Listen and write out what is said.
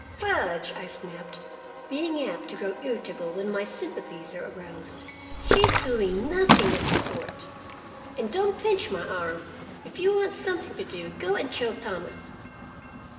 "Fudge!" I snapped, being apt to grow irritable when my sympathies are aroused. "She's doing nothing of the sort,—and don't pinch my arm. If you want something to do, go and choke Thomas."